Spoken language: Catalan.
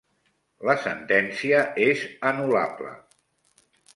La sentència és anul·lable.